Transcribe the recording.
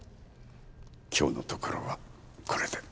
今日のところはこれで。